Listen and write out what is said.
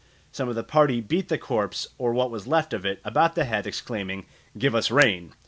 Some of the party beat the corpse, or what was left of it, about the head, exclaiming, "Give us rain!"